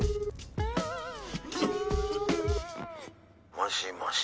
「もしもし？」